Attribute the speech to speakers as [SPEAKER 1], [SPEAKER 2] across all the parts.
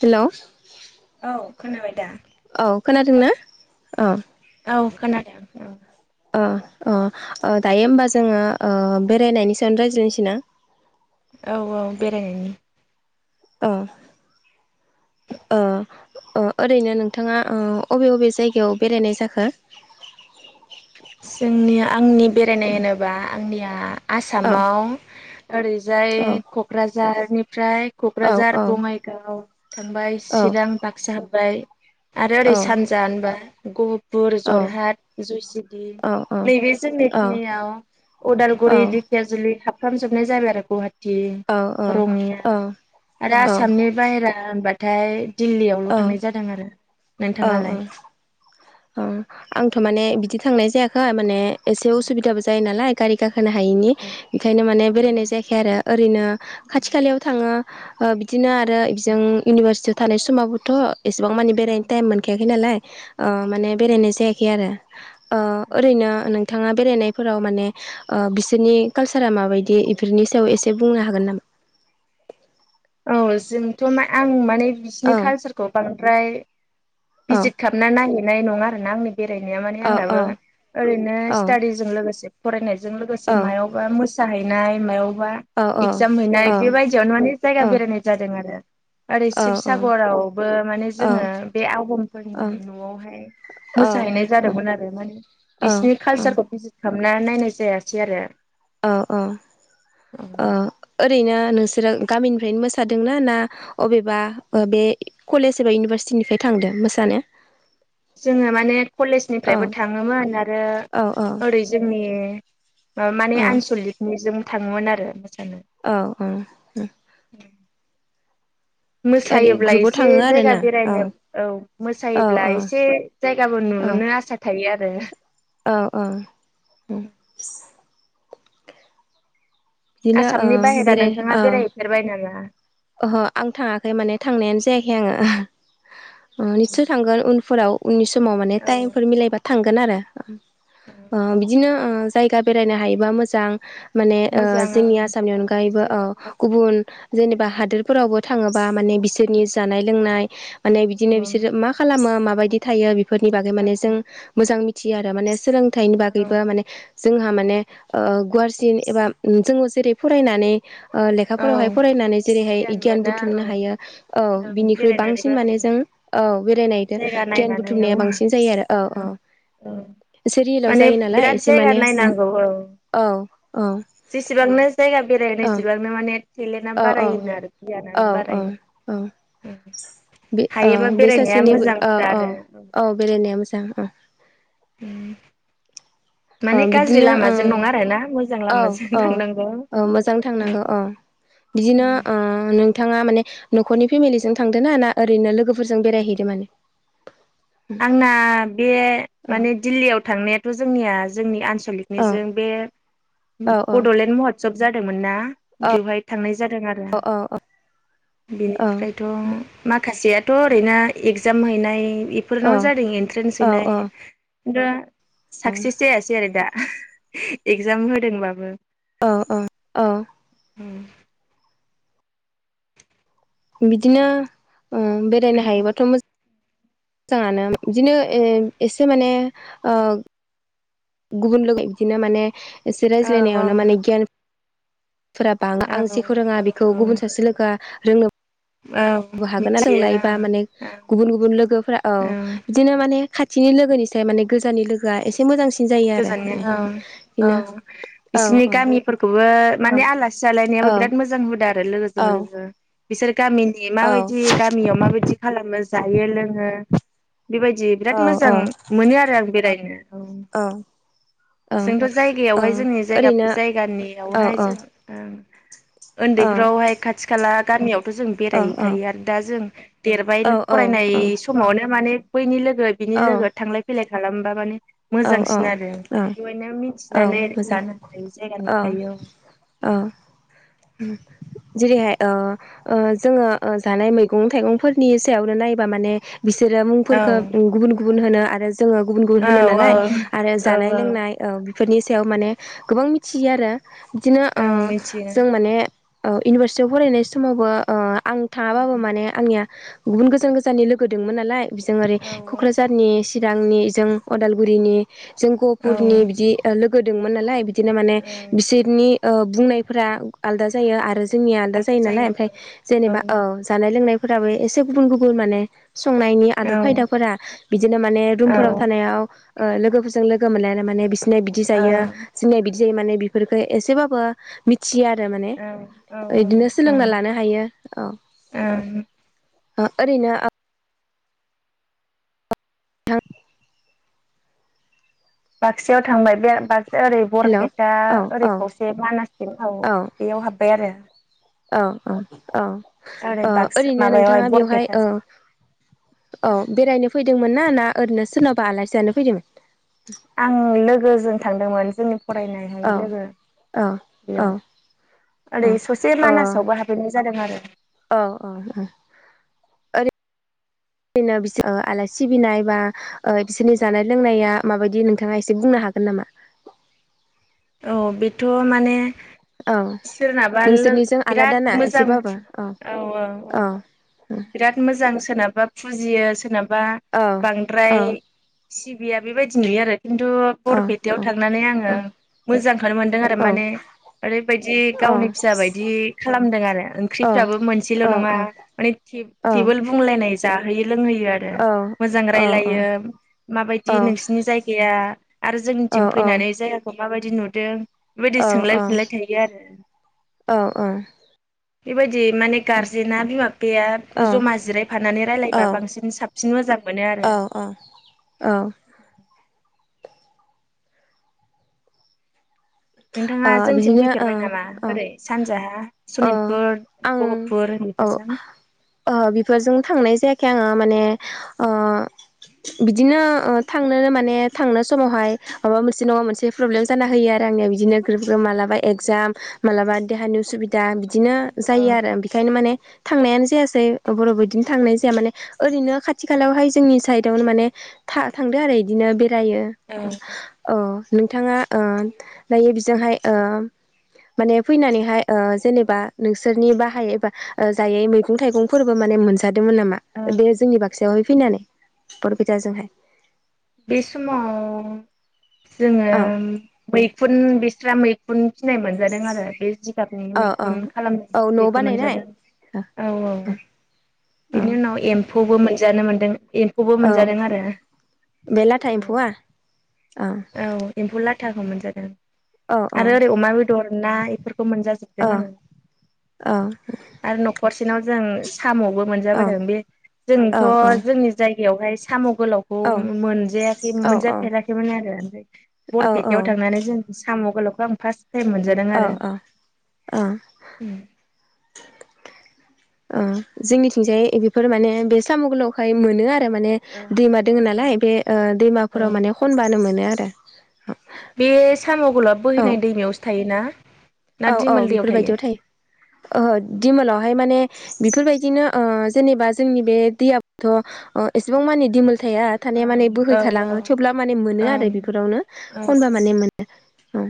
[SPEAKER 1] हेल'।
[SPEAKER 2] औ खोनाबाय दा?
[SPEAKER 1] औ खोनादोंना औ।
[SPEAKER 2] औ खोनादों उम
[SPEAKER 1] अ अ दायो होमबा जोंङो ओ बेरायनायनि सायाव रायज्लायनोसै ना?
[SPEAKER 2] औ औ बेरायनायनि
[SPEAKER 1] औ। ओ। अ ओरैनो नोंथाङा ओ अबे अबे जायगायाव बेरायनाय जाखो?
[SPEAKER 2] जोंनि आंनि बेरायनाय होनोबा आंनिया
[SPEAKER 1] औ
[SPEAKER 2] आसामाव ओरैजाय
[SPEAKER 1] औ
[SPEAKER 2] क'क्राझार प्राय
[SPEAKER 1] औ
[SPEAKER 2] क'क्राझार
[SPEAKER 1] औ
[SPEAKER 2] बङाइगाव। थांबाय
[SPEAKER 1] औ
[SPEAKER 2] चिरां बाक्सा हाबाय। आरो ओरै
[SPEAKER 1] औ
[SPEAKER 2] सानजा होनबा। गहब फुर
[SPEAKER 1] औ
[SPEAKER 2] जरहाट जयसिद
[SPEAKER 1] औ
[SPEAKER 2] नैबे
[SPEAKER 1] औ
[SPEAKER 2] जोंनिखिनियाव उदालगुरि दिखियाजुलि हाब फ्रामजोबनाय जाय आरो गुाहाट टि रङिया आरो आसामनि बाहेरा। होनबाथाय। दिल्ललियावल'
[SPEAKER 1] औ
[SPEAKER 2] थांनाय जादों आरो। नोंथांङालाय?
[SPEAKER 1] अ आंथ' माने बिदि थांनाय जायाखै माने। एसे उसुबिदाबो जायो नालाय। गारि गाख खोहोनो हायैनि
[SPEAKER 2] औ
[SPEAKER 1] ओंखायनो माने
[SPEAKER 2] औ
[SPEAKER 1] बेरायनाय जायाखै आरो ओरैनो खाथि खालायाव थाङो। ओ बिदिनो आरो [unintelligible] इउनिभारसिटि। थानाय समावबोथ'। एसेबां मानि बेरायनो टाइम मोनखायाखै नालाय। ओ माने बेरायनाय जायाखै आरो। ओ- ओरैनो नों बिथाङा बेरायनायफोराव माने ओ-बिसोरनि काल्सारा माबायदि बेफोरनि सायाव एसे बुंनो हागोन नामा?
[SPEAKER 2] औ जोंथ' मा आं माने। बिसिनि
[SPEAKER 1] औ
[SPEAKER 2] कालसारखौ बांद्राय
[SPEAKER 1] औ
[SPEAKER 2] भिजित खालामना नाय नाय नङा आरोना आंनि बेरायनाया माने
[SPEAKER 1] औ
[SPEAKER 2] आंनाबो ओरैनो
[SPEAKER 1] औ
[SPEAKER 2] स्टाडिजों लोगोसे। फरायनाय। जों लोगोसे
[SPEAKER 1] औ
[SPEAKER 2] मायावबा मोस जाहैनाय मायाव। बा
[SPEAKER 1] औ
[SPEAKER 2] इगजाम हैनाय बेबायदियावनो माने। बारायनाय जादों। दों आरो। ओरै
[SPEAKER 1] औ
[SPEAKER 2] शिबसागरावबो माने
[SPEAKER 1] औ
[SPEAKER 2] जोंङो बे
[SPEAKER 1] औ
[SPEAKER 2] आबमफोरनि न'आवहाय
[SPEAKER 1] औ
[SPEAKER 2] मोसाहैनाय जादोंमोन आरो माने
[SPEAKER 1] औ
[SPEAKER 2] बिसिनि
[SPEAKER 1] औ
[SPEAKER 2] कालचारखौ बिजिर हाबना नायनाय जायासै आरो
[SPEAKER 1] औ औ औ ओरैनो नोंसोरो गामिनिफ्रायनो मोसादोंना ना अबेबा बे कलेज एबा इउनिभार सिटिनिफ्राय थांदो मोसानो
[SPEAKER 2] जोंङो माने
[SPEAKER 1] औ
[SPEAKER 2] कलेजनिफ्रायबो थांङोमोन आरो
[SPEAKER 1] औ
[SPEAKER 2] ओरै जोंनि ओ माने आनसलिकनि जों थांङोमोन आरो मोसानो
[SPEAKER 1] औ उम
[SPEAKER 2] मोसायोब्ला
[SPEAKER 1] ग्रुपाव
[SPEAKER 2] एसे
[SPEAKER 1] थाङो
[SPEAKER 2] जायगा
[SPEAKER 1] आरोना
[SPEAKER 2] बेरायनो औ
[SPEAKER 1] औ
[SPEAKER 2] मोसायोब्ला
[SPEAKER 1] औ
[SPEAKER 2] एसे जायगाबो नुनो
[SPEAKER 1] औ
[SPEAKER 2] आसा थायो आरो दे
[SPEAKER 1] औ औ उम बिदिनो ओ
[SPEAKER 2] आसामनि बाहेरा
[SPEAKER 1] बेराय औ
[SPEAKER 2] नोंथांङा बेरायहैफेरबाय नामा
[SPEAKER 1] ओहो आं थांङाखै माने थांनायानो जायाखै आंङो उम निस्सय थांगोन उन फोराव उननि स समाव माने टाइमफोर
[SPEAKER 2] औ
[SPEAKER 1] मिलायबा थांग गोन आरो ओ बिदिनो ओ जायगा बेरायनो हायोबा मोजां माने ओ
[SPEAKER 2] मोजां औ
[SPEAKER 1] जोंनि आसामनि अनगायैबो अ
[SPEAKER 2] एसेबाबो
[SPEAKER 1] गुबुन जेनेबा हादोरफोरावबो थांङोबा माने बिसोरनि जानाय लोंनाय माने बिदिनो बिसोरो मा खालामो मा बायदि थायो फोरनि बागै माने जों मोजां बियो आरो माने सोलों थायनि
[SPEAKER 2] औ
[SPEAKER 1] बागैबो माने जोंहा माने ओ गुवारसिन एबा उम जोंङो जेरै फरायनानै ओ
[SPEAKER 2] औ
[SPEAKER 1] लेखाफोरावहाय फरायनानै बेहाय गियान
[SPEAKER 2] मोनो
[SPEAKER 1] बुथुमनो हायो
[SPEAKER 2] औ
[SPEAKER 1] औ बिनिख्रुइ बांसिन
[SPEAKER 2] बेरायनानैबो
[SPEAKER 1] माने
[SPEAKER 2] हायो
[SPEAKER 1] जों औ बेरायनायदो
[SPEAKER 2] जायगा
[SPEAKER 1] गियान
[SPEAKER 2] नायनानै औ
[SPEAKER 1] बुथुमनाया बांसिन
[SPEAKER 2] औ
[SPEAKER 1] जायो आरो औ औ
[SPEAKER 2] औ
[SPEAKER 1] एसे रियेलाव
[SPEAKER 2] माने
[SPEAKER 1] जायो नालाय
[SPEAKER 2] बिराद
[SPEAKER 1] एसे
[SPEAKER 2] जायगा
[SPEAKER 1] माने
[SPEAKER 2] नायनांगौ औ
[SPEAKER 1] औ औ ओं
[SPEAKER 2] जेसेबांनो जायगा बेरायगोन एसेबांनो माने टेलेन्टआ
[SPEAKER 1] औ औ
[SPEAKER 2] बारायोनो आरो गियाना
[SPEAKER 1] औ औ
[SPEAKER 2] बारायो।
[SPEAKER 1] औ औ
[SPEAKER 2] हायोबा
[SPEAKER 1] बे
[SPEAKER 2] बेरायनाया
[SPEAKER 1] सासेनि
[SPEAKER 2] मोजां
[SPEAKER 1] औ
[SPEAKER 2] हुदा
[SPEAKER 1] औ
[SPEAKER 2] आरो
[SPEAKER 1] औ बेरायनाया मोजां औ
[SPEAKER 2] उम
[SPEAKER 1] अ बिदिनो अ
[SPEAKER 2] आरोना मोजां
[SPEAKER 1] औ
[SPEAKER 2] लामाजों
[SPEAKER 1] औ
[SPEAKER 2] थांनांगौ
[SPEAKER 1] मोजां थांनांगौ औ बिदिनो अ नोंथाङा माने न'खरनि फेमिलिजों थांदों ना ना ओरैनो लोगोफोरजों बेरायहैदो मोन?
[SPEAKER 2] आंना बे माने दिल्लीयाव थांनायाथ' जोंनिया जोंनि आनस
[SPEAKER 1] औ
[SPEAKER 2] लिकनिजों बे
[SPEAKER 1] औ औ
[SPEAKER 2] बड'लेण्ड महत्सब जादोंमोन ना बेवहाय थांनाय जादों आरो
[SPEAKER 1] औ औ
[SPEAKER 2] बेनिफ्रायथ' माखासेया थ' ओरैनो एगजाम हैनाय फोरनाव जादों एन्ट्रेन्स
[SPEAKER 1] औ
[SPEAKER 2] हैनाय दा साक्सेस जायासै आरो दा एगजाम होदोंबाबो
[SPEAKER 1] औ औ औ
[SPEAKER 2] उम
[SPEAKER 1] बिदिनो ओ बेरायनो हायोबाथ' मोजां मोजाङानो बिदिनो एसे माने ओ गुबुनलोगो बिदिनो माने एसे
[SPEAKER 2] औ
[SPEAKER 1] रायज्लायावनो माने गियान फोरा बांओ
[SPEAKER 2] औ
[SPEAKER 1] आंजेखौ रोङा बेखौ
[SPEAKER 2] औ औ
[SPEAKER 1] गुबुन सासे लोगोआ रोङो
[SPEAKER 2] औ
[SPEAKER 1] बो हागोन ना
[SPEAKER 2] मिथियो
[SPEAKER 1] नोंलायबा
[SPEAKER 2] ओं
[SPEAKER 1] माने
[SPEAKER 2] ओं
[SPEAKER 1] गुबुन गुबुन लोगोफोरा औ
[SPEAKER 2] ओं
[SPEAKER 1] बिदिनो माने खा थिनि लोगोनिफ्राय माने गोजाननि लोगोआ एसे मोजांसिन जायो आरो माने
[SPEAKER 2] गोजाननिया औ
[SPEAKER 1] बिदिनो
[SPEAKER 2] औ
[SPEAKER 1] औ
[SPEAKER 2] बिसोरनि
[SPEAKER 1] औ
[SPEAKER 2] गामिफोरखौबो माने आला सि
[SPEAKER 1] औ
[SPEAKER 2] जालायनायाबो बिराद मोजां हुदा आरो लोगोजों
[SPEAKER 1] औ
[SPEAKER 2] लोगो बिसोर गामिनि
[SPEAKER 1] औ
[SPEAKER 2] माबायदि गामियाव माबायदि खालामो जायो लोङो बेबायदि बिराद
[SPEAKER 1] औ
[SPEAKER 2] मोजां मोनो आरो आं बेरायनो औ
[SPEAKER 1] औ
[SPEAKER 2] । जोंथ'
[SPEAKER 1] औ
[SPEAKER 2] जायगायावहाय जोंनि जायगा
[SPEAKER 1] ओरैनो औ
[SPEAKER 2] जायगानियावहाय
[SPEAKER 1] औ
[SPEAKER 2] जों ओं
[SPEAKER 1] औ
[SPEAKER 2] ओन्दैफ्रावहाय खाथि खाला गामियाव जों
[SPEAKER 1] औ
[SPEAKER 2] बेरायहैखायो आरो दा जों देरबाय
[SPEAKER 1] औ
[SPEAKER 2] फरायनाय समावनो माने बैनि लो गो बिनि लोगो थांलाय फैलाय खालामबा माने मोजांसि
[SPEAKER 1] औ
[SPEAKER 2] बिदिमोन आरो
[SPEAKER 1] औ औ
[SPEAKER 2] बेवहायनो
[SPEAKER 1] औ
[SPEAKER 2] मिथिनानै
[SPEAKER 1] मोजां
[SPEAKER 2] लानो हाखायो जायगा
[SPEAKER 1] औ
[SPEAKER 2] नुखायो।
[SPEAKER 1] औ जेरैहाय अ अ जोङो जानाय मैगं थाइगंफोरनि सायावनो नायोबा माने बिसोरो
[SPEAKER 2] औ
[SPEAKER 1] मुंफोरखो गुबुन गु गुबुन होनो आरो जोङो गुबुन गुबुन
[SPEAKER 2] औ
[SPEAKER 1] होनोना लाय आरो
[SPEAKER 2] औ
[SPEAKER 1] जानाय
[SPEAKER 2] औ
[SPEAKER 1] लोंनाय औ । बेफोरनि सायाव माने गोबां मिथियो आरो बिदिनो ओ
[SPEAKER 2] ओं मिथियो
[SPEAKER 1] जों माने ओ इउनिभारसिटियाव फरायनाय समावबो ओ आं थाङाबाबो माने आंनिया गुबुन गोजान गोजाननि लोगो दोंमोन नालाय बिजों ओरै
[SPEAKER 2] औ औ
[SPEAKER 1] क'क्राझारनि चिरांनि जों अदाल गुरिनि जों
[SPEAKER 2] औ
[SPEAKER 1] गहपुरनि बिदि लो गो दोंमोन नालाय बि दिनो माने
[SPEAKER 2] औ
[SPEAKER 1] बिसोरनि ओ बुंनायफोरा आलदा जायो आरो जोंनि आलदा जायो नालाय ओमफाय जेनेबा औ जानाय लोंनाय फोराबो एसे गुबुन गुबुन माने संनायनि आदब खायदाफोरा बिदिनो माने रुमफोराव थानायाव लोगोफोरजों लोगो मोनलायनो माने बिसि ना बिदि जायो जोंनिया बिदि जेरै माने बेफोरफोरखौ एसेबो मि मिथियो आरो माने
[SPEAKER 2] औ ओं
[SPEAKER 1] बिदिनो सोलोंना लानो हायो औ
[SPEAKER 2] ओं
[SPEAKER 1] ओ ओरैनो [inaudible]
[SPEAKER 2] बाक्सायाव थांबाय बे बाक्सा ओरै
[SPEAKER 1] हेल' औ
[SPEAKER 2] बरपेटा
[SPEAKER 1] औ
[SPEAKER 2] ओरै खावसे मानासथिं थाङो बेयाव हाबबाय आरो
[SPEAKER 1] औ औ
[SPEAKER 2] ओरै
[SPEAKER 1] औ
[SPEAKER 2] बाक्सा
[SPEAKER 1] ओरैनो
[SPEAKER 2] माबायावहाय
[SPEAKER 1] नोंथाङा बेवहाय औ
[SPEAKER 2] बरपेटाजों
[SPEAKER 1] औ बेरायनो फैदोंमोन ना ना ओरैनो सोरनावाबा आलासियानो फैदोंमोन?
[SPEAKER 2] आं लोगोजों थांदोंमोन। जोंनि फरायनायहाय
[SPEAKER 1] औ
[SPEAKER 2] लोगो
[SPEAKER 1] औ
[SPEAKER 2] बेयाव
[SPEAKER 1] औ
[SPEAKER 2] ओरै ससे
[SPEAKER 1] औ
[SPEAKER 2] मानासावबो हाबफैनाय जादों आरो
[SPEAKER 1] औ औ ओरै ओरैनोर आलासि सिबिनाय बा बिसोरनि जानाय लोंनाया माबायदि नोंथाङा एसे बुंनो हागोन नामा?
[SPEAKER 2] औ बेथ' माने
[SPEAKER 1] औ
[SPEAKER 2] सोरनाबा लोग
[SPEAKER 1] नोंसोरनिजों
[SPEAKER 2] बिराद
[SPEAKER 1] आलादा ना
[SPEAKER 2] मोजां
[SPEAKER 1] एसेबाबो
[SPEAKER 2] औ औ औ बिराद मोजां सोरनाबा फुजियो सो [unintelligible] बा
[SPEAKER 1] औ औ
[SPEAKER 2] बांद्राय सिबिया बेबायदि नुयो आरो। खिन्थु बरपेटायाव
[SPEAKER 1] औ
[SPEAKER 2] थांनानै आङो मोजांखौनो मोनदों आरो
[SPEAKER 1] औ
[SPEAKER 2] माने ओरैबायदि
[SPEAKER 1] औ
[SPEAKER 2] गावनि फिसा बायदि खालामदों आरो ओंख्रिफ्राबो
[SPEAKER 1] औ
[SPEAKER 2] मोनसेल'
[SPEAKER 1] औ
[SPEAKER 2] नङा माने टे-टेबोल बुंलायनाय जाहोयो लोंहोयो आरो मोजां
[SPEAKER 1] औ
[SPEAKER 2] रायलायो माबायदि नोंसिनि जायगाया आरो जोंनिथिं फैनानै जायगाखौ माबायदि नुदों? बेबायदि सोंलाय फिनलाय थायो आरो। बेबायदि माने गारजेना बिमा बिफाया जमा जिरायफानानै रायलायबा बांसिन साबसिन मोजां मोनो आरो।
[SPEAKER 1] औ औ औ
[SPEAKER 2] नोंथाङा जोंथिं
[SPEAKER 1] बिदिनो ओ
[SPEAKER 2] फैफेरबाय नामा ओरै सानजाहा
[SPEAKER 1] औ
[SPEAKER 2] सनितपुर
[SPEAKER 1] आं
[SPEAKER 2] गहपुर
[SPEAKER 1] औ
[SPEAKER 2] बेफोरजों?
[SPEAKER 1] खे आङो माने ओ बिदिनो थांनोनो माने थांनो समावहाय माबा मोनसे नङा मोनसे प्रब्लेम जाना होयो आरो आंनिया बिदिनो खे बेफोरखौ मालाबा एगजाम मालाबा देहानि उसुबि दा बिदिनो
[SPEAKER 2] औ
[SPEAKER 1] जायो आरो बेखायनो माने थांनायानो जायासै बर'बो बिदिनो थांनाय जाया माने ओरैनो खाथि खालायावहाय जोंनि साइडआवनो माने था-थांदो आरो बिदिनो बे जायो ओं अ नोंथाङा ओ दायो जोंहाय ओ माने फैनानैहाय ओ जेनेबा नोंसोरनि बाहाय एबा जायै मैगं थाइगंफोरबो माने मोनजा जादोंमोन नामा? बे जोंनि बाग सायाव फैनानै बरपेटाजोंहाय।
[SPEAKER 2] बि समाव जोङो
[SPEAKER 1] औ
[SPEAKER 2] मैखुन बे ग्रा मैखुन फिनाय मोनजादों आरो बे जिगाबनि
[SPEAKER 1] औ
[SPEAKER 2] मैखुन
[SPEAKER 1] औ
[SPEAKER 2] खालामनाय
[SPEAKER 1] औ न'
[SPEAKER 2] बखौ
[SPEAKER 1] बानायनाय
[SPEAKER 2] मोनजादों। औ औ, बेनि उनाव एम्फौ खौबो मोनजानो मोन्दों एम्फौबो
[SPEAKER 1] औ
[SPEAKER 2] मोनजादों आरो
[SPEAKER 1] बे लाथा एम्फौआ
[SPEAKER 2] औ
[SPEAKER 1] ओं
[SPEAKER 2] लाथा एम्फौ मोनजादों। आरो ओरै अमा बेदर, ना बेफोरखौ मोनजाजोबदों
[SPEAKER 1] औ
[SPEAKER 2] आरो
[SPEAKER 1] औ
[SPEAKER 2] आरो न'खरसेनाव जों साम'बो
[SPEAKER 1] औ
[SPEAKER 2] मोनजाबोदों बे
[SPEAKER 1] औ
[SPEAKER 2] जोंथ' जोंनि जायगा बेयावहाय साम' गोलावखौ
[SPEAKER 1] औ औ
[SPEAKER 2] मोनजायाखै मोनजाफेराखैमोन आरो ओमफ्राय बरपेटायाव थांनानै जों साम' गोलावखौ आं फार्सट टाइन मोनजादों
[SPEAKER 1] औ
[SPEAKER 2] आरो
[SPEAKER 1] औ
[SPEAKER 2] ओम।
[SPEAKER 1] ओ जोंनिथिंजाय बेफोर माने बे साम' गोलावखाय मोनो आरो माने
[SPEAKER 2] औ
[SPEAKER 1] दैमा दोङो नालाय बे
[SPEAKER 2] औ
[SPEAKER 1] दैमाफोराव माने खनबानो मोनो आरो। [unintelligible]
[SPEAKER 2] बे साम' गोलावा
[SPEAKER 1] औ
[SPEAKER 2] बोहैनाय दैमायावसो थायोना? ना
[SPEAKER 1] औ औ
[SPEAKER 2] दिमोल दैयाव
[SPEAKER 1] बेफोरबायदियाव थायो, ओहो दिमोलावहाय माने बेफोरबायदिनो जेनेबा जोंनि बे दैयाथ' एसेबां मानिे दिमोल थाया थानाया माने
[SPEAKER 2] ओं औ
[SPEAKER 1] बोहैखालाङो थेवब्ला माने मोनो आरो
[SPEAKER 2] ओं
[SPEAKER 1] बेफोरावनो
[SPEAKER 2] औ
[SPEAKER 1] खनबा माने मोनो औ।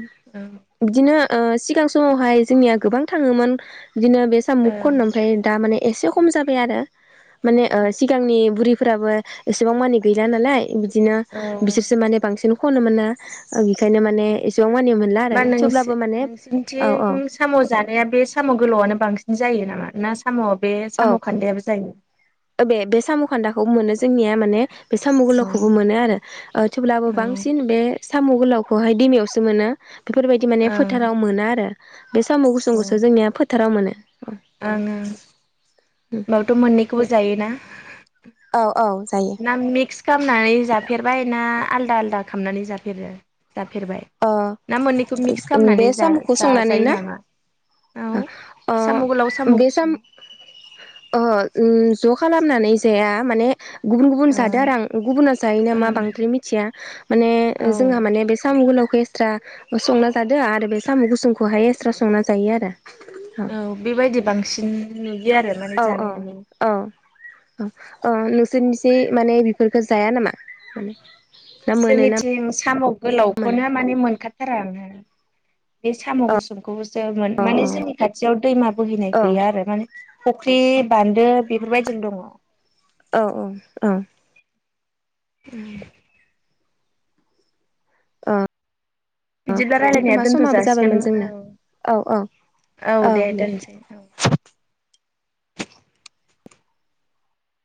[SPEAKER 1] बिदिनो ओ सिगां समावहाय जोंनिया गोबां थाङोमोन बिदिनो बे साम' खननो
[SPEAKER 2] ओं
[SPEAKER 1] ओमफ्राय दा माने एसे खम जाबाय आरो। माने ओ सिगांनि बुरि फोराबो एसेबां मानि गैला नालाय बि दिनो
[SPEAKER 2] ओं
[SPEAKER 1] बिसोरसो माने बांसिन खनो मोना बेखायनो माने
[SPEAKER 2] औ
[SPEAKER 1] एसेबां मानि मोनला आरो थेवब्लाबो माने औ औ
[SPEAKER 2] सिंनिथिं साम' जानाया बे साम' गोलावआनो बांसि जायो नामा? ना साम' बे
[SPEAKER 1] औ
[SPEAKER 2] साम' खान्दायाबो जायो।
[SPEAKER 1] खौ मोनो जोंनिया माने बे साम'
[SPEAKER 2] औ
[SPEAKER 1] गोल'खौबो मोनो आरो ओ थेवब्लाबो
[SPEAKER 2] औ
[SPEAKER 1] बांसिन बे साम' गोलावखौहाय दैमायावसो मोनो बेफोरबायदि माने
[SPEAKER 2] ओं
[SPEAKER 1] फोथाराव मोनाआरो बे साम'
[SPEAKER 2] ओं
[SPEAKER 1] गुसुंखौसो जोंनिया फोथाराव मोनो
[SPEAKER 2] होमबाबोथ' मोननैखौबो जायोना?
[SPEAKER 1] औ औ जायो
[SPEAKER 2] ना मिक्स खालामनानै जाफेरबाय ना आलदा आललादा खालामामनानै जाफेरो जाफेरबाय
[SPEAKER 1] ओ
[SPEAKER 2] ना मोननैखौ मिक्स खालामनानै
[SPEAKER 1] बे साम'खौ संनानै
[SPEAKER 2] जा-जाजायो
[SPEAKER 1] ना
[SPEAKER 2] नामा? औ
[SPEAKER 1] ओ
[SPEAKER 2] साम' गोलाव
[SPEAKER 1] बे साम
[SPEAKER 2] गुसुं
[SPEAKER 1] ज' खालामनानै जाया माने गुबुन गुबुन
[SPEAKER 2] अ
[SPEAKER 1] जादों आरो आं गुबुना जायो नामा
[SPEAKER 2] ओं
[SPEAKER 1] बांद्राय मिथिया माने
[SPEAKER 2] औ
[SPEAKER 1] जोंहा माने बे साम' गोलाव एक्सट्रा संना जादो आरो बे साम' गुसुंखौहाय एक्सट्रा संना जायो आरो
[SPEAKER 2] औ बेबायदि बांसिन नुयो आरो माने
[SPEAKER 1] औ
[SPEAKER 2] जानाय नुयो
[SPEAKER 1] अ नोंसोरनिसि माने बेफोरखौ जाया नामा? ना मोनो ना
[SPEAKER 2] जोंनिथिं साम'
[SPEAKER 1] मोना
[SPEAKER 2] गोलावखौनो माने मोनखाथारा आरो ना बे साम'
[SPEAKER 1] औ
[SPEAKER 2] गुसुं खौ
[SPEAKER 1] औ
[SPEAKER 2] माने
[SPEAKER 1] औ
[SPEAKER 2] जोंनि खाथियाव दैमा बोहैनाय
[SPEAKER 1] औ
[SPEAKER 2] गैया आरो माने फुख्रि बान्दो बेफोरबायदिल' दङ
[SPEAKER 1] औ औ औ
[SPEAKER 2] ओम
[SPEAKER 1] ओं
[SPEAKER 2] बिदिब्ला रायलायनाया
[SPEAKER 1] [unintelligible]
[SPEAKER 2] दोनथ'
[SPEAKER 1] समाबो
[SPEAKER 2] जासिगोन
[SPEAKER 1] जाबायमोन जोंनो
[SPEAKER 2] औ
[SPEAKER 1] औ औ औ दे